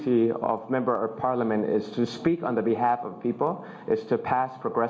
หวังว่าเราจะพูดในกรรมนั้นแต่มันก็จะเป็นแบบที่เกิดขึ้น